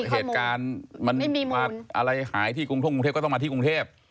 เหตุการณ์มันหายที่กรุงเทพก็ต้องมาที่กรุงเทพ